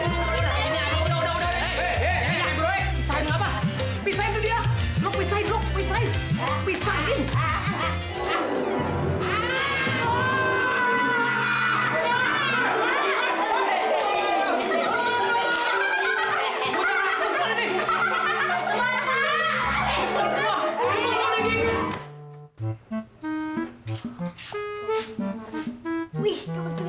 mulai bakal indah